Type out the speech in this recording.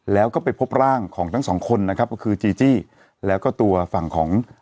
แล้วก็ไปพบร่างของทั้งสองคนนะครับก็คือจีจี้แล้วก็ตัวฝั่งของ